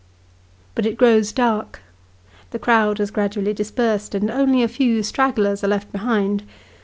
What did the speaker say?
But it grows dark : the crowd has gradually dispersed, and only a few stragglers are left behind.